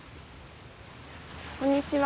こんにちは。